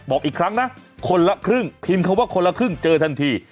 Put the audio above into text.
บอกอีกครั้งนะคนละครึ่งพิมพ์คำว่าคนละครึ่งเจอทันที